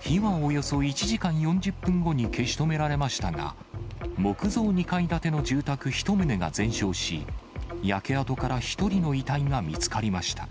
火はおよそ１時間４０分後に消し止められましたが、木造２階建ての住宅１棟が全焼し、焼け跡から１人の遺体が見つかりました。